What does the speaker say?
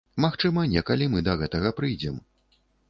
Магчыма, некалі мы да гэтага прыйдзем.